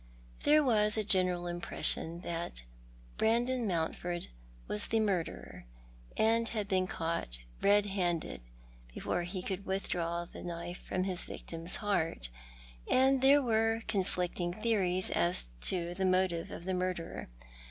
There was a general impression that Brandon Mountford was the murderer, and had been caught red handed before he could withdraw the knife from his victim's heart ; and there were conflicting theories as to the motive of the murder.